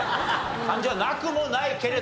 感じはなくもないけれどもね。